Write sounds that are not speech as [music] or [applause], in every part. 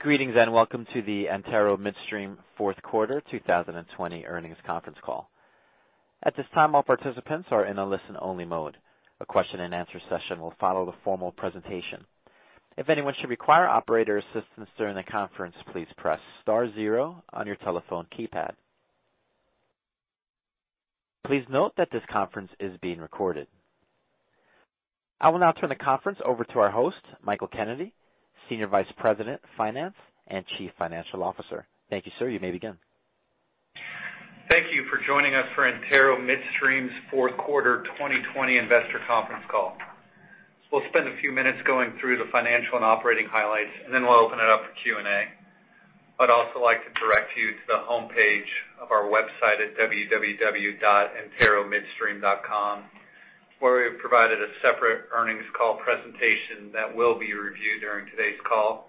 Greetings and welcome to the Antero Midstream fourth quarter 2020 earnings conference call. At this time all participants are in a listen-only mode. The question-and-answer session will follow the formal presentation. If anyone should require operator assistance during the conference, please press star zero on your telephone keypad. I will now turn the conference over to our host, Michael Kennedy, Senior Vice President of Finance and Chief Financial Officer. Thank you, sir. You may begin. Thank you for joining us for Antero Midstream's fourth quarter 2020 investor conference call. We'll spend a few minutes going through the financial and operating highlights, and then we'll open it up for Q&A. I'd also like to direct you to the homepage of our website at www.anteromidstream.com where we have provided a separate earnings call presentation that will be reviewed during today's call.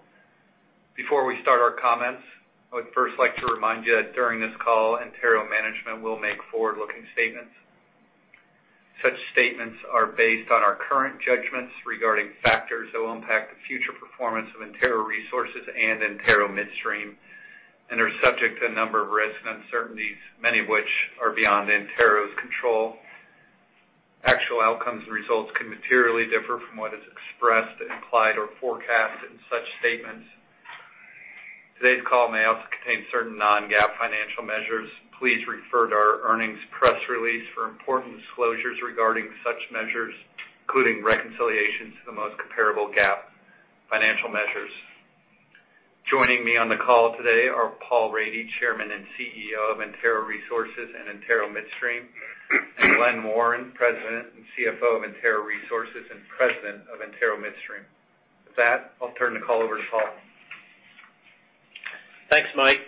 Before we start our comments, I would first like to remind you that during this call, Antero management will make forward-looking statements. Such statements are based on our current judgments regarding factors that will impact the future performance of Antero Resources and Antero Midstream, and are subject to a number of risks and uncertainties, many of which are beyond Antero's control. Actual outcomes and results can materially differ from what is expressed, implied, or forecasted in such statements. Today's call may also contain certain non-GAAP financial measures. Please refer to our earnings press release for important disclosures regarding such measures, including reconciliations to the most comparable GAAP financial measures. Joining me on the call today are Paul Rady, Chairman and CEO of Antero Resources and Antero Midstream, and Glen Warren, President and CFO of Antero Resources, and President of Antero Midstream. With that, I'll turn the call over to Paul. Thanks, Mike.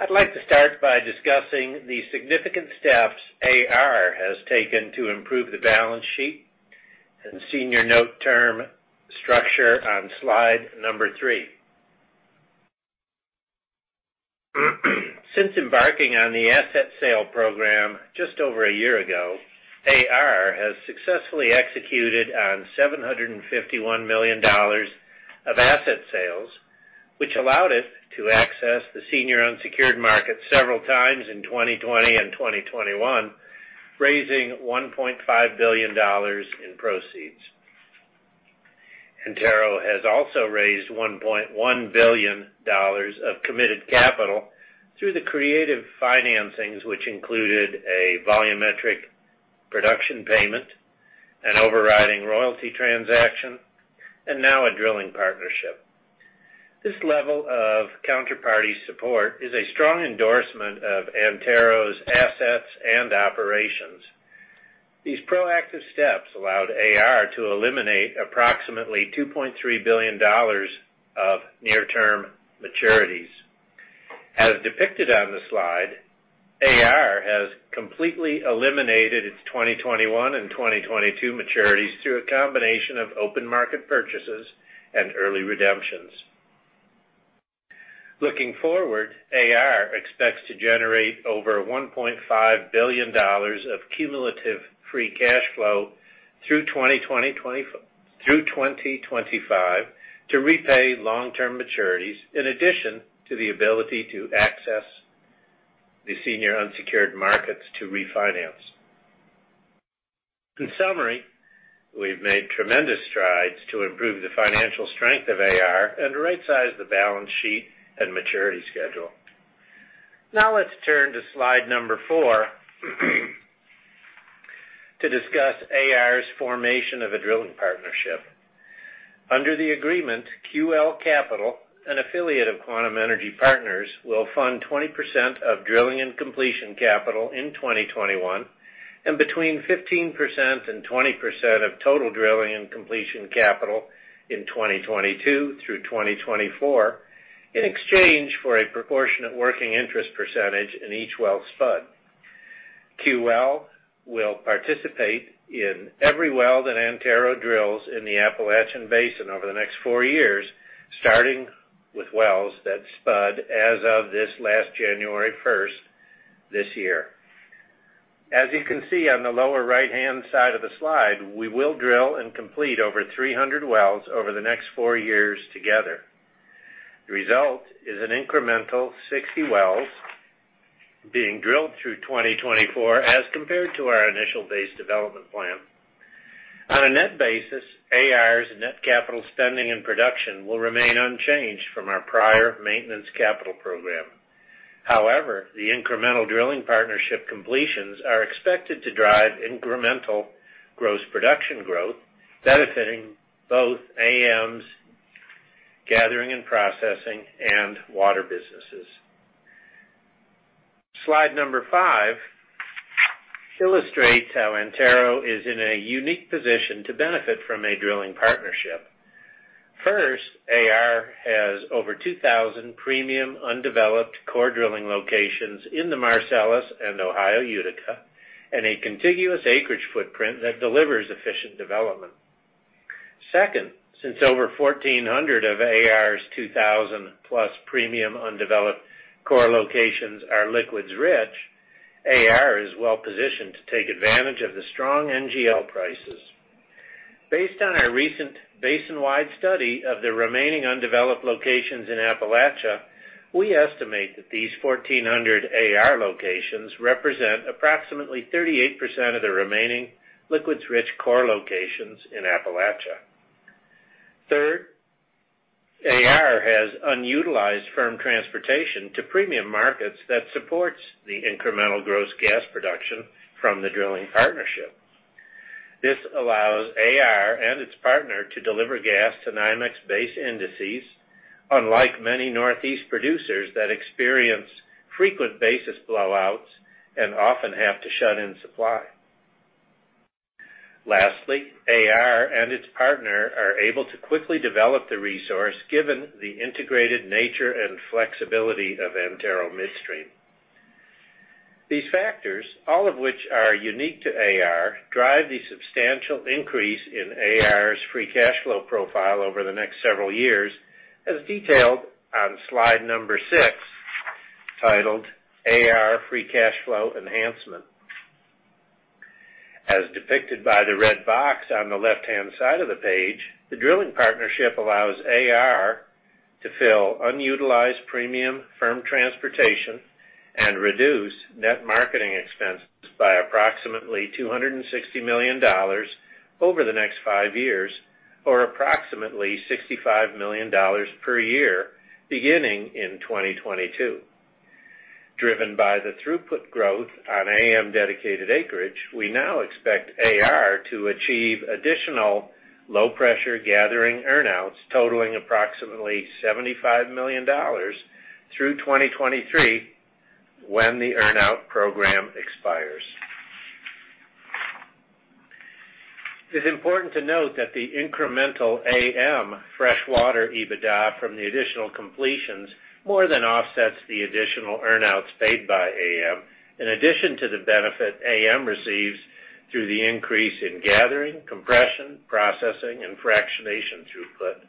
I'd like to start by discussing the significant steps AR has taken to improve the balance sheet and senior note term structure on slide number three. Since embarking on the asset sale program just over a year ago, AR has successfully executed on $751 million of asset sales, which allowed us to access the senior unsecured market several times in 2020 and 2021, raising $1.5 billion in proceeds. Antero has also raised $1.1 billion of committed capital through the creative financings, which included a volumetric production payment, an overriding royalty transaction, and now a drilling partnership. This level of counterparty support is a strong endorsement of Antero's assets and operations. These proactive steps allowed AR to eliminate approximately $2.3 billion of near-term maturities. As depicted on the slide, AR has completely eliminated its 2021 and 2022 maturities through a combination of open market purchases and early redemptions. Looking forward, AR expects to generate over $1.5 billion of cumulative free cash flow through 2025 to repay long-term maturities, in addition to the ability to access the senior unsecured markets to refinance. In summary, we've made tremendous strides to improve the financial strength of AR and right-size the balance sheet and maturity schedule. Now, let's turn to slide number four to discuss AR's formation of a drilling partnership. Under the agreement, QL Capital, an affiliate of Quantum Energy Partners, will fund 20% of drilling and completion capital in 2021, and between 15% and 20% of total drilling and completion capital in 2022 through 2024 in exchange for a proportionate working interest percentage in each well spud. QL will participate in every well that Antero drills in the Appalachian Basin over the next four years, starting with wells that spud as of this last January 1st this year. As you can see on the lower right-hand side of the slide, we will drill and complete over 300 wells over the next four years together. The result is an incremental 60 wells being drilled through 2024 as compared to our initial base development plan. On a net basis, AR's net capital spending and production will remain unchanged from our prior maintenance capital program. The incremental drilling partnership completions are expected to drive incremental gross production growth, benefiting both AM's gathering and processing and water businesses. Slide number five illustrates how Antero is in a unique position to benefit from a drilling partnership. First, AR has over 2,000 premium undeveloped core drilling locations in the Marcellus and Ohio Utica, and a contiguous acreage footprint that delivers efficient development. Second, since over 1,400 of AR's 2,000+ premium undeveloped core locations are liquids rich, AR is well-positioned to take advantage of the strong NGL prices. Based on our recent basin-wide study of the remaining undeveloped locations in Appalachia, we estimate that these 1,400 AR locations represent approximately 38% of the remaining liquids-rich core locations in Appalachia. Third, AR has unutilized firm transportation to premium markets that supports the incremental gross gas production from the drilling partnership. This allows AR and its partner to deliver gas to NYMEX base indices, unlike many Northeast producers that experience frequent basis blowouts and often have to shut in supply. Lastly, AR and its partner are able to quickly develop the resource given the integrated nature and flexibility of Antero Midstream. These factors, all of which are unique to AR, drive the substantial increase in AR's free cash flow profile over the next several years, as detailed on slide number six, titled AR Free Cash Flow Enhancement. As depicted by the red box on the left-hand side of the page, the drilling partnership allows AR to fill unutilized premium firm transportation and reduce net marketing expenses by approximately $260 million over the next five years, or approximately $65 million per year beginning in 2022. Driven by the throughput growth on AM dedicated acreage, we now expect AR to achieve additional low-pressure gathering earn-outs totaling approximately $75 million through 2023 when the earn-out program expires. It is important to note that the incremental AM freshwater EBITDA from the additional completions more than offsets the additional earn-outs paid by AM, in addition to the benefit AM receives through the increase in gathering, compression, processing, and fractionation throughput.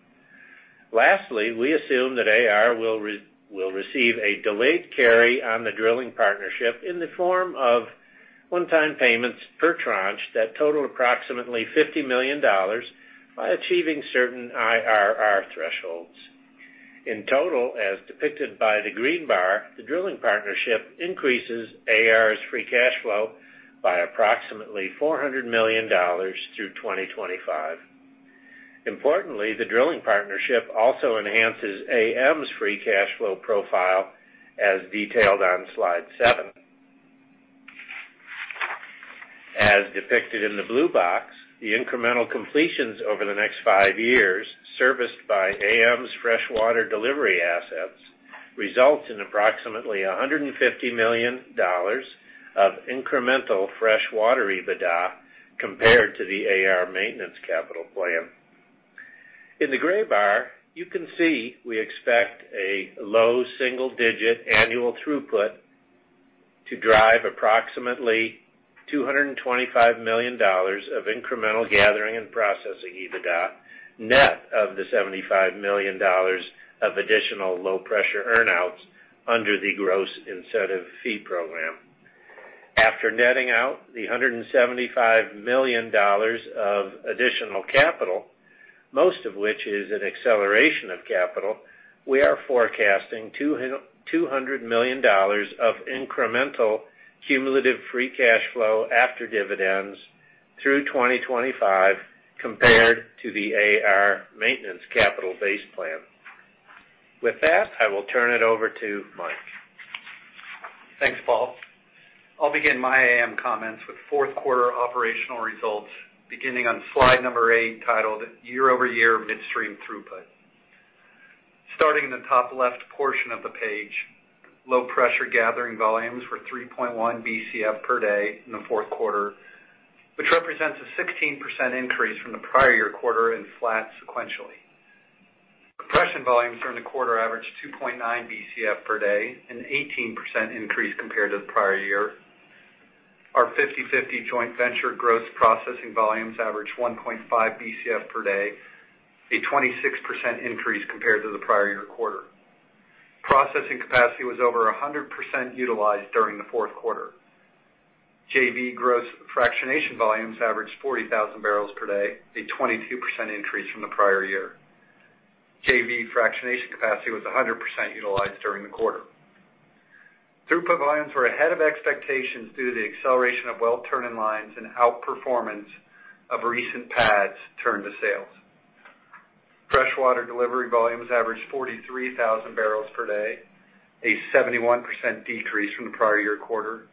Lastly, we assume that AR will receive a delayed carry on the drilling partnership in the form of one-time payments per tranche that total approximately $50 million by achieving certain IRR thresholds. In total, as depicted by the green bar, the drilling partnership increases AR's free cash flow by approximately $400 million through 2025. Importantly, the drilling partnership also enhances AM's free cash flow profile, as detailed on slide seven. As depicted in the blue box, the incremental completions over the next five years, serviced by AM's freshwater delivery assets, result in approximately $150 million of incremental freshwater EBITDA compared to the AR maintenance capital plan. In the gray bar, you can see we expect a low single-digit annual throughput to drive approximately $225 million of incremental gathering and processing EBITDA, net of the $75 million of additional low-pressure earn-outs under the gross incentive fee program. After netting out the $175 million of additional capital, most of which is an acceleration of capital, we are forecasting $200 million of incremental cumulative free cash flow after dividends through 2025 compared to the AR maintenance capital base plan. With that, I will turn it over to Mike. Thanks, Paul. I'll begin my AM comments with fourth quarter operational results, beginning on slide number eight, titled Year-over-Year Midstream Throughput. Starting in the top left portion of the page, low-pressure gathering volumes were 3.1 Bcf/d in the fourth quarter, which represents a 16% increase from the prior year quarter and flat sequentially. Compression volumes during the quarter averaged 2.9 Bcf/d, an 18% increase compared to the prior year. Our 50/50 joint venture gross processing volumes averaged 1.5 Bcf/d, a 26% increase compared to the prior year quarter. Processing capacity was over 100% utilized during the fourth quarter. JV gross fractionation volumes averaged 40,000 bbl per day, a 22% increase from the prior year. JV fractionation capacity was 100% utilized during the quarter. Throughput volumes were ahead of expectations due to the acceleration of well turn-in-lines and outperformance of recent pads turned to sales. Freshwater delivery volumes averaged 43,000 bbl per day, a 71% decrease from the prior year quarter,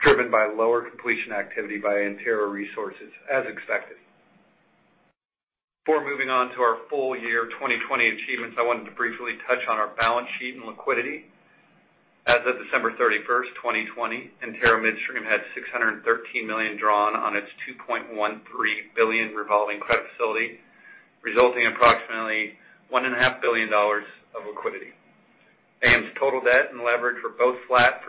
driven by lower completion activity by Antero Resources as expected. Before moving on to our full year 2020 achievements, I wanted to briefly touch on our balance sheet and liquidity. As of December 31st, 2020, Antero Midstream had $613 million drawn on its $2.13 billion revolving credit facility, resulting in approximately $1.5 billion of liquidity. AM's total debt and leverage were both flat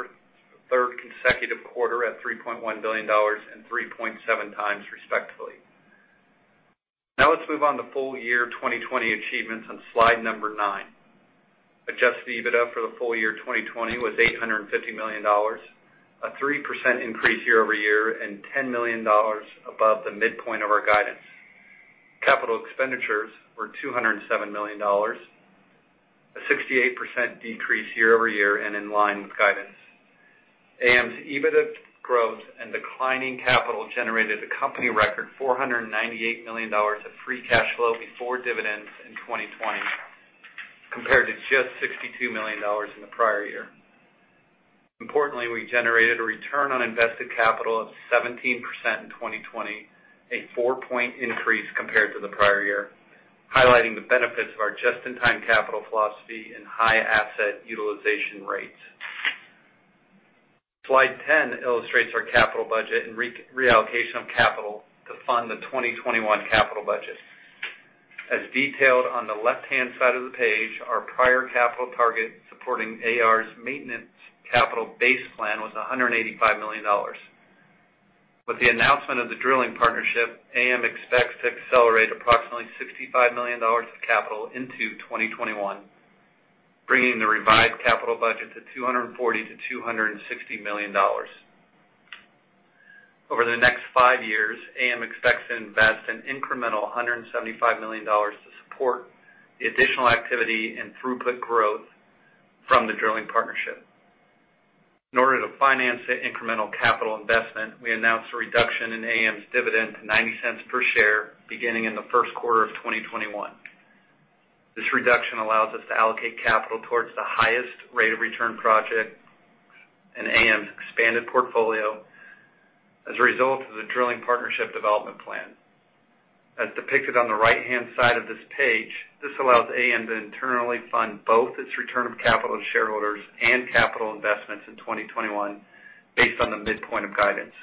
for the third consecutive quarter at $3.1 billion and 3.7x respectively. Let's move on to full year 2020 achievements on slide number nine. Adjusted EBITDA for the full year 2020 was $850 million, a 3% increase year-over-year, and $10 million above the midpoint of our guidance. Capital expenditures were $207 million, a 68% decrease year-over-year and in line with guidance. AM's EBITDA growth and declining capital generated a company record $498 million of free cash flow before dividends in 2020, compared to just $62 million in the prior year. Importantly, we generated a return on invested capital of 17% in 2020, a four-point increase compared to the prior year, highlighting the benefits of our just-in-time capital philosophy and high asset utilization rates. Slide 10 illustrates our capital budget and reallocation of capital to fund the 2021 capital budget. As detailed on the left-hand side of the page, our prior capital target supporting AR's maintenance capital base plan was $185 million. With the announcement of the drilling partnership, AM expects to accelerate approximately $65 million of capital into 2021, bringing the revised capital budget to $240 million-$260 million. Over the next five years, AM expects to invest an incremental $175 million to support the additional activity and throughput growth from the drilling partnership. In order to finance the incremental capital investment, we announced a reduction in AM's dividend to $0.90 per share beginning in the first quarter of 2021. This reduction allows us to allocate capital towards the highest rate of return project in AM's expanded portfolio as a result of the drilling partnership development plan. As depicted on the right-hand side of this page, this allows AM to internally fund both its return of capital to shareholders and capital investments in 2021 based on the midpoint of guidance.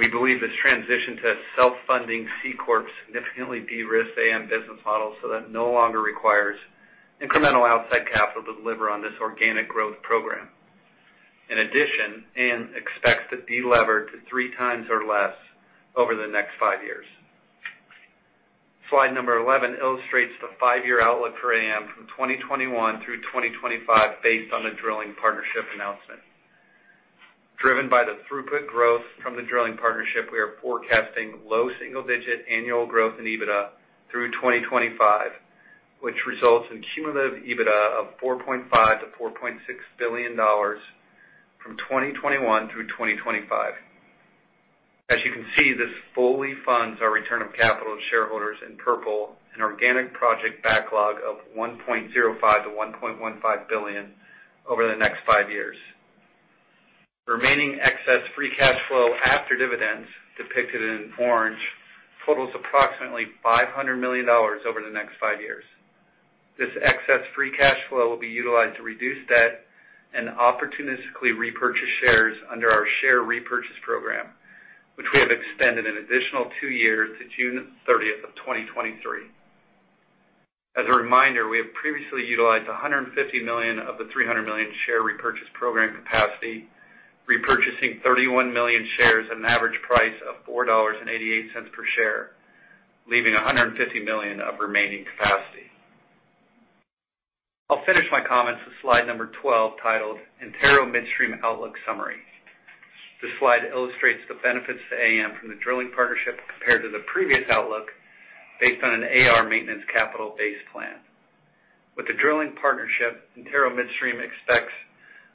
We believe this transition to a self-funding C-corp significantly de-risks AM business models so that it no longer requires incremental outside capital to deliver on this organic growth program. In addition, AM expects to de-lever to 3x or less over the next five years. Slide number 11 illustrates the five-year outlook for AM from 2021 through 2025 based on the drilling partnership announcement. Driven by the throughput growth from the drilling partnership, we are forecasting low single-digit annual growth in EBITDA through 2025, which results in cumulative EBITDA of $4.5 billion-$4.6 billion from 2021 through 2025. As you can see, this fully funds our return of capital to shareholders in purple, an organic project backlog of $1.05 billion-$1.15 billion over the next five years. The remaining excess free cash flow after dividends, depicted in orange, totals approximately $500 million over the next five years. This excess free cash flow will be utilized to reduce debt and opportunistically repurchase shares under our share repurchase program, which we have extended an additional two years to June 30th, 2023. As a reminder, we have previously utilized $150 million of the $300 million share repurchase program capacity, repurchasing 31 million shares at an average price of $4.88 per share, leaving $150 million of remaining capacity. I'll finish my comments with slide number 12, titled Antero Midstream Outlook Summary. This slide illustrates the benefits to AM from the drilling partnership compared to the previous outlook based on an AR maintenance capital base plan. With the drilling partnership, Antero Midstream expects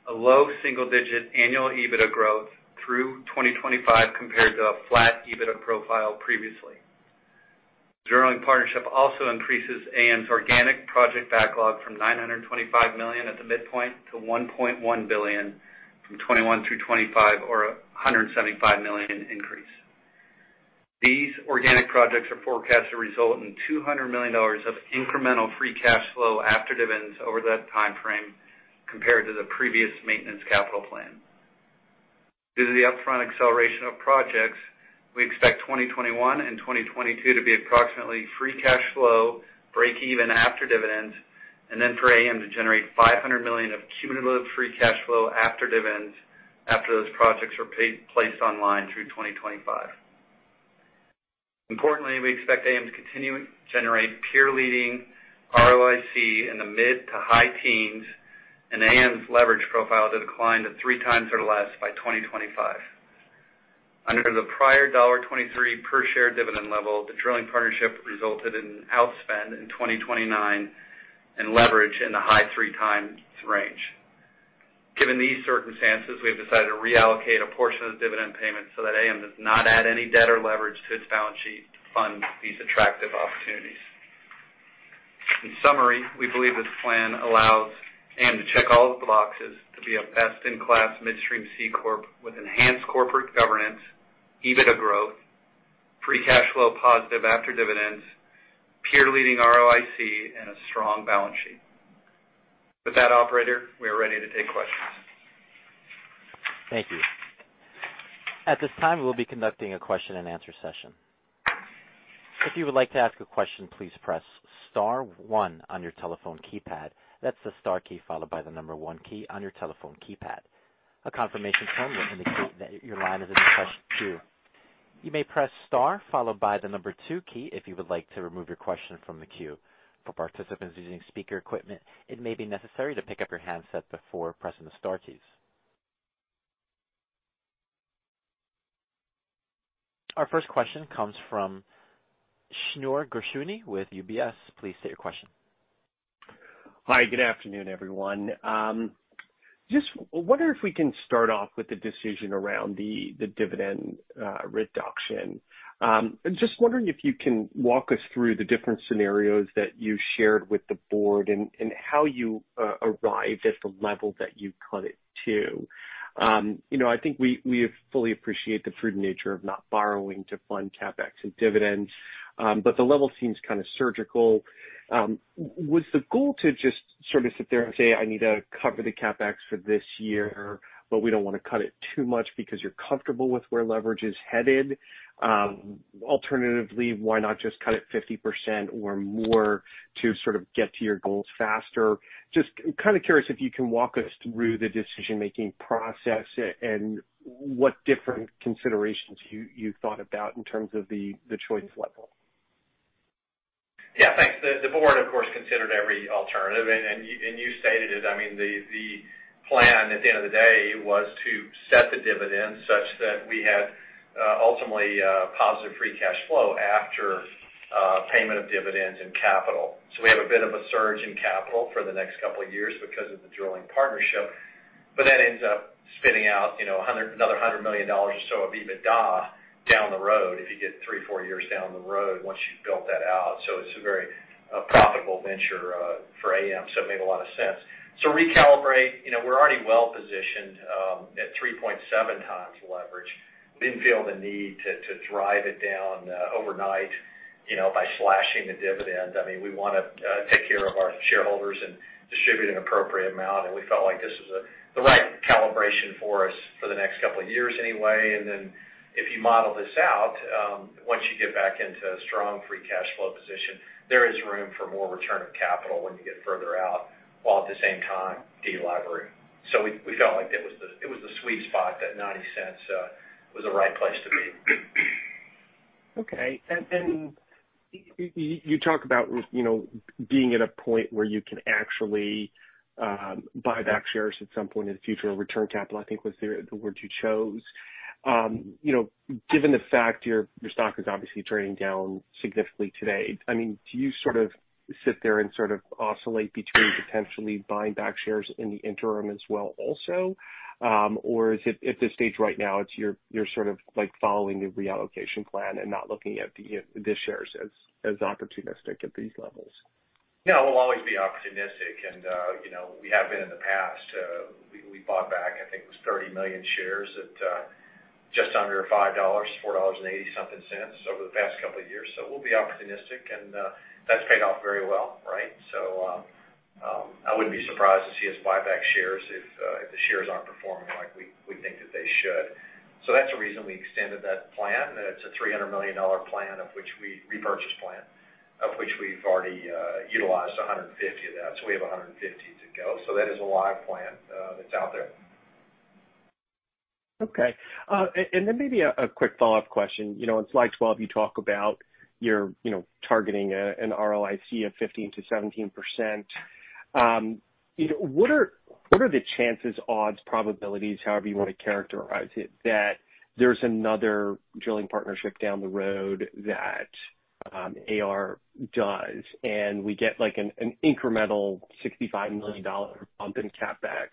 a low single-digit annual EBITDA growth through 2025 compared to a flat EBITDA profile previously. The drilling partnership also increases AM's organic project backlog from $925 million at the midpoint to $1.1 billion from 2021 through 2025 or a $175 million increase. These organic projects are forecast to result in $200 million of incremental free cash flow after dividends over that timeframe compared to the previous maintenance capital plan. Due to the upfront acceleration of projects, we expect 2021 and 2022 to be approximately free cash flow breakeven after dividends, and then for AM to generate $500 million of cumulative free cash flow after dividends after those projects are placed online through 2025. Importantly, we expect AM to continue to generate peer-leading ROIC in the mid to high teens and AM's leverage profile to decline to three times or less by 2025. Under the prior $1.23 per share dividend level, the drilling partnership resulted in outspend in 2029 and leverage in the high 3x range. Given these circumstances, we have decided to reallocate a portion of the dividend payment so that AM does not add any debt or leverage to its balance sheet to fund these attractive opportunities. In summary, we believe this plan allows AM to check all of the boxes to be a best-in-class midstream C-corp with enhanced corporate governance, EBITDA growth, free cash flow positive after dividends, peer-leading ROIC, and a strong balance sheet. With that, operator, we are ready to take questions. Thank you. At this time, we'll be conducting a question-and-answer session. If you would like to ask a question, please press star one on your telephone keypad. That's the star key followed by the one key on your telephone keypad. A confirmation tone will indicate that your line has been placed in queue. You may press star followed by the number two key if you would like to remove your question from the queue. For participants using speaker equipment, it may be necessary to pick up your handset before pressing the star keys. Our first question comes from Shneur Gershuni with UBS. Please state your question. Hi, good afternoon, everyone. Just wonder if we can start off with the decision around the dividend reduction. I'm just wondering if you can walk us through the different scenarios that you shared with the Board and how you arrived at the level that you cut it to. I think we fully appreciate the prudent nature of not borrowing to fund CapEx and dividends. The level seems kind of surgical. Was the goal to just sort of sit there and say, "I need to cover the CapEx for this year, but we don't want to cut it too much," because you're comfortable with where leverage is headed? Alternatively, why not just cut it 50% or more to sort of get to your goals faster? Just kind of curious if you can walk us through the decision-making process and what different considerations you thought about in terms of the choice level. Yeah, thanks. The Board, of course, considered every alternative, you stated it. I mean, the plan, at the end of the day, was to set the dividend such that we had ultimately a positive free cash flow after payment of dividends and capital. We have a bit of a surge in capital for the next couple of years because of the drilling partnership, but that ends up spinning out another $100 million or so of EBITDA down the road if you get three, four years down the road once you've built that out. It's a very profitable venture for AM, so it made a lot of sense. Recalibrate. We're already well-positioned at 3.7x leverage. We didn't feel the need to drive it down overnight by slashing the dividend. I mean, we want to take care of our shareholders and distribute an appropriate amount. We felt like this was the right calibration for us for the next couple of years anyway. If you model this out, once you get back into a strong free cash flow position, there is room for more return of capital when you get further out, while at the same time de-levering. We felt like it was the sweet spot, that $0.90 was the right place to be. Okay. You talk about being at a point where you can actually buy back shares at some point in the future, or return capital, I think was the words you chose. Given the fact your stock is obviously trading down significantly today, I mean, do you sort of sit there and sort of oscillate between potentially buying back shares in the interim as well also? Or is it at the stage right now, it's you're sort of following the reallocation plan and not looking at the shares as opportunistic at these levels? No, we'll always be opportunistic, and we have been in the past. We bought back, I think it was 30 million shares at just under $5, $4.80 something over the past couple of years. We'll be opportunistic, and that's paid off very well, right? I wouldn't be surprised to see us buy back shares if the shares aren't performing like we think that they should. That's the reason we extended that plan. It's a $300 million plan, repurchase plan, of which we've already utilized $150 of that, so we have $150 to go. That is a live plan that's out there. Okay. Maybe a quick follow-up question. In slide 12, you talk about you're targeting an ROIC of 15%-17%. What are the chances, odds, probabilities, however you want to characterize it, that there's another drilling partnership down the road that AR does, and we get like an incremental $65 million bump in CapEx?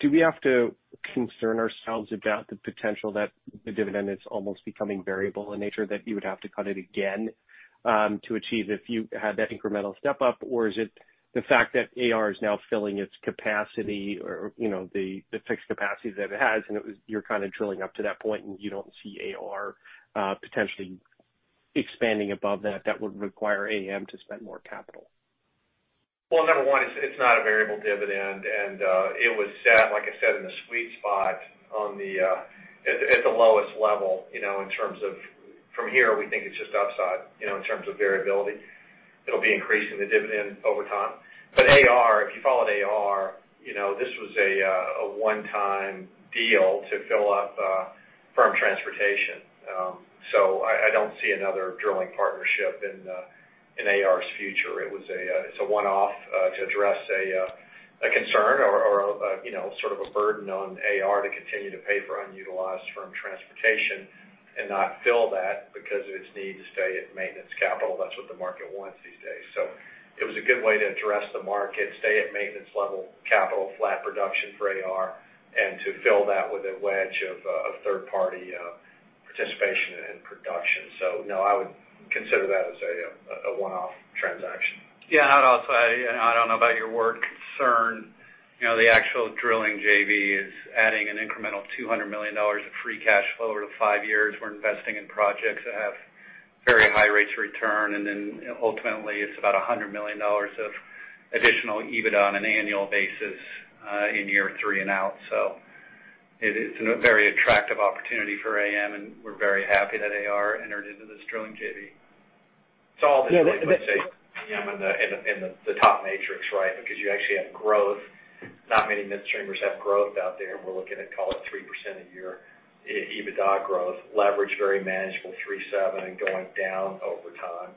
Do we have to concern ourselves about the potential that the dividend is almost becoming variable in nature, that you would have to cut it again to achieve if you had that incremental step-up? Or is it the fact that AR is now filling its capacity or the fixed capacity that it has, and you're kind of drilling up to that point, and you don't see AR potentially expanding above that would require AM to spend more capital? Well, number one, it's not a variable dividend, and it was set, like I said, in the sweet spot at the lowest level. From here, we think it's just upside in terms of variability. It'll be increasing the dividend over time. AR, if you followed AR, this was a one-time deal to fill up firm transportation. I don't see another drilling partnership in AR's future. It's a one-off to address a concern or sort of a burden on AR to continue to pay for unutilized firm transportation and not fill that because it needs to stay at maintenance capital. That's what the market wants these days. It was a good way to address the market, stay at maintenance level capital, flat production for AR, and to fill that with a wedge of third-party participation and production. No, I would consider that as a one-off transaction. Yeah, I'll say, I don't know about your word concern. The actual drilling JV is adding an incremental $200 million of free cash flow to five years. We're investing in projects that have very high rates of return, and then ultimately it's about $100 million of additional EBITDA on an annual basis in year three and out. It's a very attractive opportunity for AM, and we're very happy that AR entered into this drilling JV. [audio distortion] in the top matrix, right? You actually have growth. Not many midstreamers have growth out there, and we're looking at, call it, 3% a year EBITDA growth. Leverage, very manageable 3.7x and going down over time.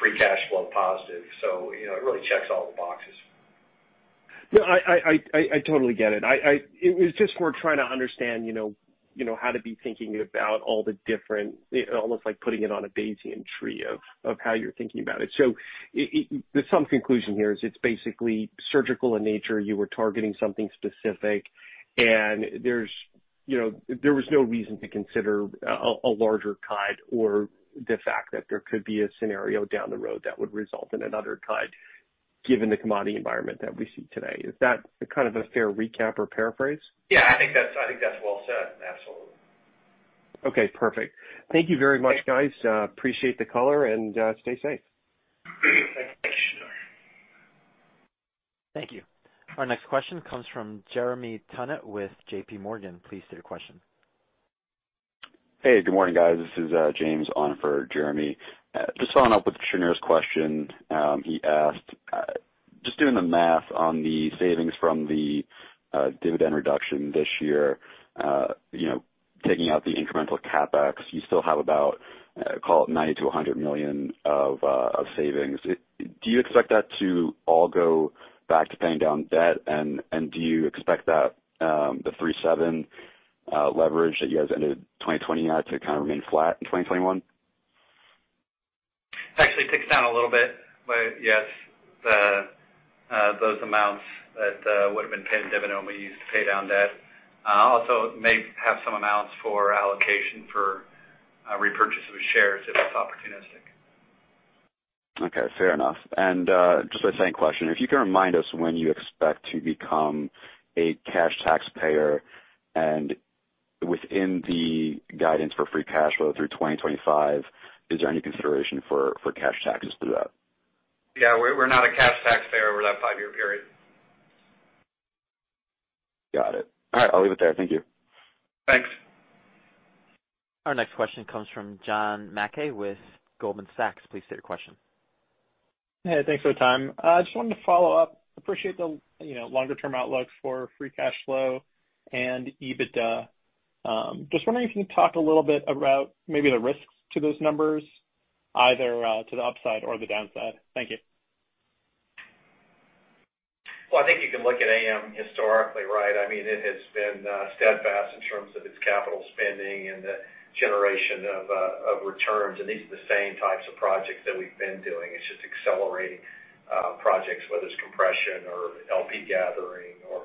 Free cash flow positive. It really checks all the boxes. Yeah, I totally get it. It was just for trying to understand how to be thinking about all the different almost like putting it on a Bayesian tree of how you're thinking about it. There's some conclusion here is it's basically surgical in nature. You were targeting something specific, and there was no reason to consider a larger tide or the fact that there could be a scenario down the road that would result in another tide given the commodity environment that we see today. Is that kind of a fair recap or paraphrase? Yeah, I think that's well said. Absolutely. Okay, perfect. Thank you very much, guys. Appreciate the color, and stay safe. Thanks. Thank you. Our next question comes from Jeremy Tonet with JPMorgan, please state your question. Hey, good morning, guys. This is James on for Jeremy. Just following up with the Shneur's question. He asked, just doing the math on the savings from the dividend reduction this year, taking out the incremental CapEx, you still have about, call it $90 million-$100 million of savings. Do you expect that to all go back to paying down debt? Do you expect that the 3.7x leverage that you guys ended 2020 at to kind of remain flat in 2021? Actually ticks down a little bit, but yes, those amounts that would've been paid in dividend will be used to pay down debt. Also may have some amounts for allocation for repurchase of shares if it's opportunistic. Okay, fair enough. Just a second question, if you can remind us when you expect to become a cash taxpayer and within the guidance for free cash flow through 2025, is there any consideration for cash taxes through that? Yeah. We're not a cash taxpayer over that five-year period. Got it. All right, I'll leave it there. Thank you. Thanks. Our next question comes from John Mackay with Goldman Sachs. Please state your question. Hey, thanks for the time. I just wanted to follow up. Appreciate the longer-term outlook for free cash flow and EBITDA. Just wondering if you can talk a little bit about maybe the risks to those numbers, either to the upside or the downside. Thank you. I think you can look at AM historically, right? It has been steadfast in terms of its capital spending and the generation of returns. These are the same types of projects that we've been doing. It's just accelerating projects, whether it's compression or LP gathering or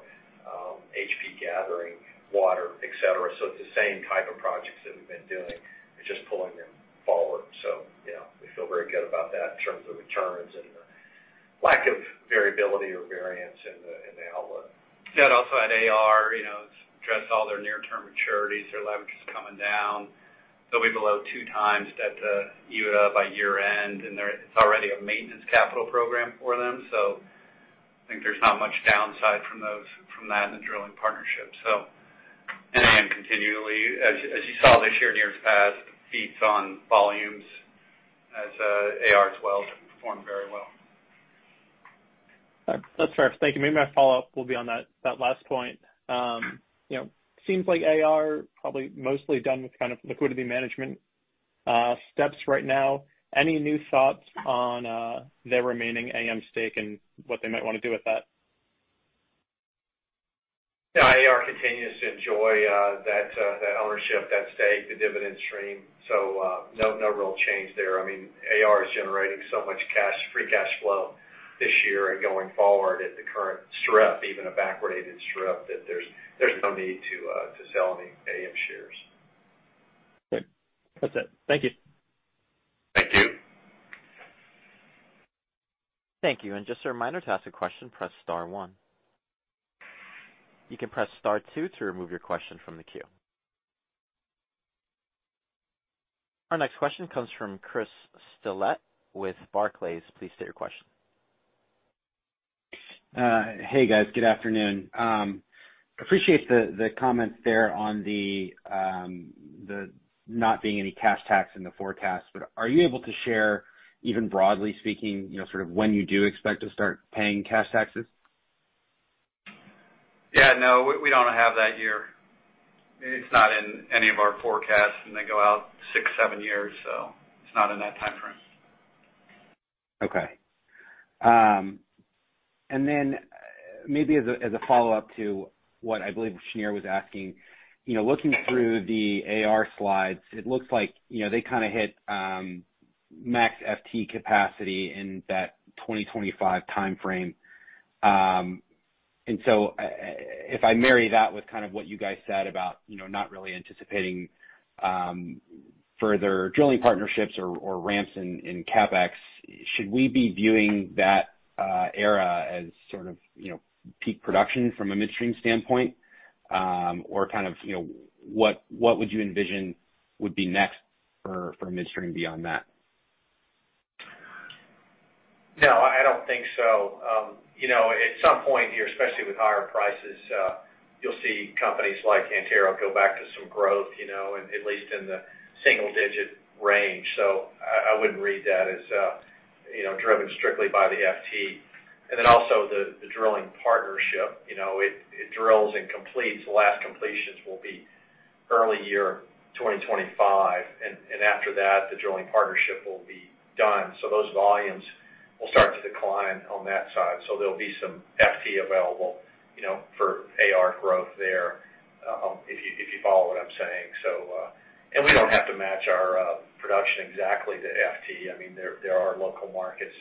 HP gathering, water, et cetera. It's the same type of projects that we've been doing. We're just pulling them forward. Yeah, we feel very good about that in terms of returns and the lack of variability or variance in the outlook. Yeah, also at AR, it's addressed all their near-term maturities. Their leverage is coming down. They'll be below 2x debt to EBITDA by year-end, and it's already a maintenance capital program for them. I think there's not much downside from that in the drilling partnership. AM continually, as you saw this year and years past, feeds on volumes as AR as well, has performed very well. All right. That's fair. Thank you. Maybe my follow-up will be on that last point. Seems like AR probably mostly done with kind of liquidity management steps right now. Any new thoughts on their remaining AM stake and what they might want to do with that? Yeah. AR continues to enjoy that ownership, that stake, the dividend stream. No real change there. AR is generating so much free cash flow this year and going forward at the current strip, even a backwardated strip, that there's no need to sell any AM shares. Good. That's it. Thank you. Thank you. Thank you. Just a reminder, to ask a question, press star one. You can press star two to remove your question from the queue. Our next question comes from Chris Tillett with Barclays. Please state your question. Hey, guys. Good afternoon. Appreciate the comments there on the not being any cash tax in the forecast. Are you able to share, even broadly speaking, sort of when you do expect to start paying cash taxes? Yeah, no, we don't have that year. It's not in any of our forecasts, and they go out six, seven years, so it's not in that timeframe. Okay. Maybe as a follow-up to what I believe Shneur was asking, looking through the AR slides, it looks like they kind of hit max FT capacity in that 2025 timeframe. If I marry that with kind of what you guys said about not really anticipating further drilling partnerships or ramps in CapEx, should we be viewing that era as sort of peak production from a midstream standpoint? Kind of what would you envision would be next for midstream beyond that? No, I don't think so. At some point here, especially with higher prices, you'll see companies like Antero go back to some growth, at least in the single-digit range. I wouldn't read that as driven strictly by the FT. Then also the drilling partnership, it drills and completes. The last completions will be early year 2025, and after that, the drilling partnership will be done. Those volumes will start to decline on that side. There'll be some FT available for AR growth there, if you follow what I'm saying. We don't have to match our production exactly to FT. There are local markets.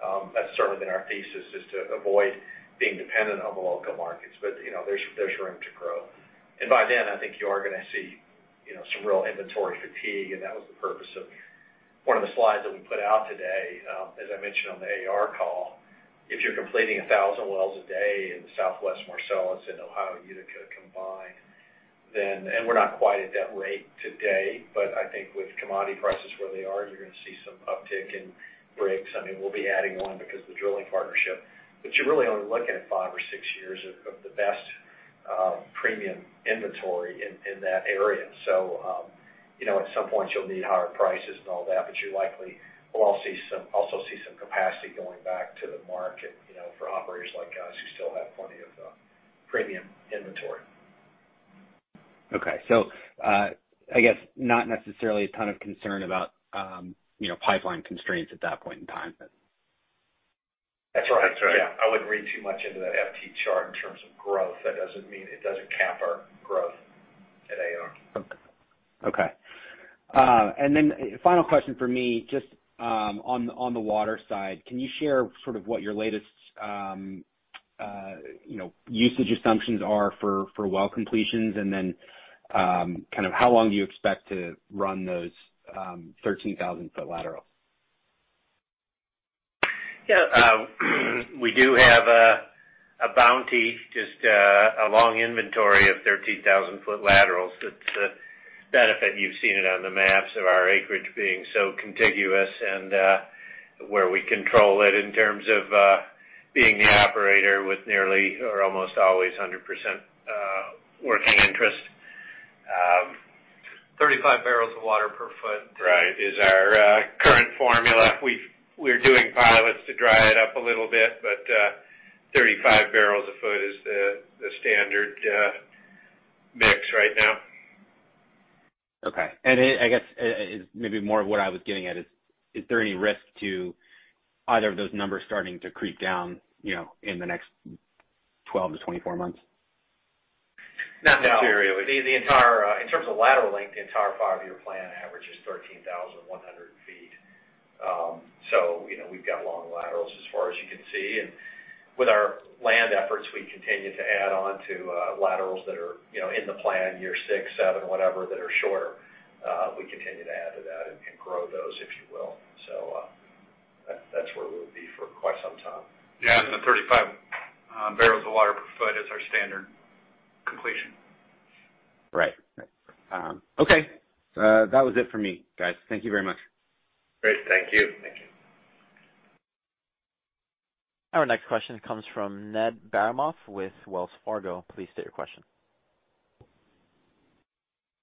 That's certainly been our thesis, is to avoid being dependent on the local markets, but there's room to grow. By then, I think you are going to see some real inventory fatigue, and that was the purpose of one of the slides that we put out today. As I mentioned on the AR call, if you're completing 1,000 wells a day in the Southwest Marcellus and Ohio Utica combined, and we're not quite at that rate today, but I think with commodity prices where they are, you're going to see some uptick in rigs. We'll be adding one because the drilling partnership. You really only look at five or six years of the best premium inventory in that area. At some point you'll need higher prices and all that, but you likely will also see some capacity going back to the market for operators like us who still have plenty of premium inventory. Okay. I guess not necessarily a ton of concern about pipeline constraints at that point in time. That's right. That's right. Yeah. I wouldn't read too much into that FT chart in terms of growth. It doesn't cap our growth at AR. Okay. Final question from me, just on the water side, can you share sort of what your latest usage assumptions are for well completions, and then how long do you expect to run those 13,000 ft laterals? Yeah. We do have a bounty, just a long inventory of 13,000 ft laterals. That's a benefit. You've seen it on the maps of our acreage being so contiguous, and where we control it in terms of being the operator with nearly or almost always 100% working interest. 35 bbl of water per foot. Right. Is our current formula. We're doing pilots to dry it up a little bit, but 35 bbl a foot is the standard mix right now. Okay. Is there any risk to either of those numbers starting to creep down in the next 12-24 months? Not materially. No. In terms of lateral length, the entire five-year plan average is 13,100 ft. We've got long laterals as far as you can see. With our land efforts, we continue to add on to laterals that are in the plan, year six, seven, whatever, that are shorter. We continue to add to that and grow those, if you will. That's where we'll be for quite some time. Yeah. 35 bbl of water per foot is our standard completion. Right. Okay. That was it for me, guys. Thank you very much. Great. Thank you. Thank you. Our next question comes from Ned Baramov with Wells Fargo. Please state your question.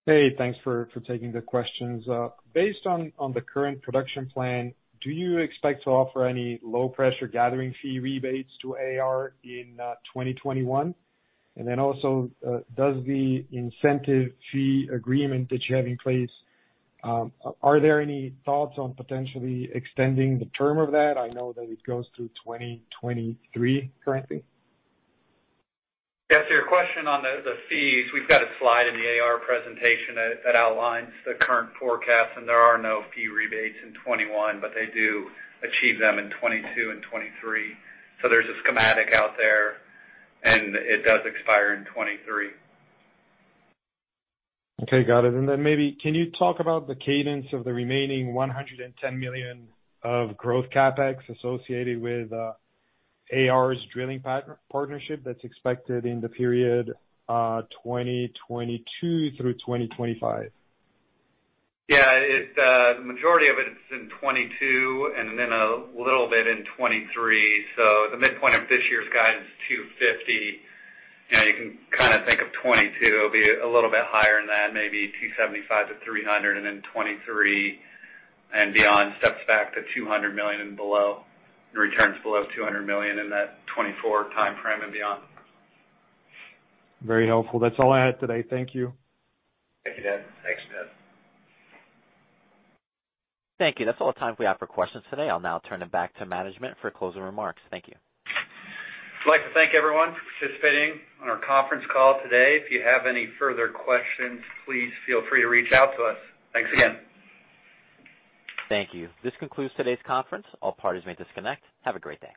Hey. Thanks for taking the questions. Based on the current production plan, do you expect to offer any low-pressure gathering fee rebates to AR in 2021? Also, does the incentive fee agreement that you have in place, are there any thoughts on potentially extending the term of that? I know that it goes through 2023 currently. Yes. To your question on the fees, we've got a slide in the AR presentation that outlines the current forecast. There are no fee rebates in 2021. They do achieve them in 2022 and 2023. There's a schematic out there, and it does expire in 2023. Okay, got it. Maybe, can you talk about the cadence of the remaining $110 million of growth CapEx associated with AR's drilling partnership that's expected in the period 2022 through 2025? The majority of it is in 2022, and then a little bit in 2023. The midpoint of this year's guidance is $250 million. You can kind of think of 2022 will be a little bit higher than that, maybe $275 million-$300 million, and then 2023 and beyond steps back to $200 million and below. It returns below $200 million in that 2024 timeframe and beyond. Very helpful. That's all I had today. Thank you. Thank you, Ned. Thanks, Ned. Thank you. That's all the time we have for questions today. I'll now turn it back to management for closing remarks. Thank you. We'd like to thank everyone for participating on our conference call today. If you have any further questions, please feel free to reach out to us. Thanks again. Thank you. This concludes today's conference. All parties may disconnect. Have a great day.